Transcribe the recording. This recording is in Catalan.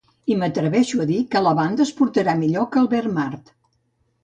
I m'atreveixo a dir que la lavanda es portarà millor que el verd mar.